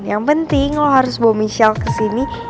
yang penting lo harus bawa michelle kesini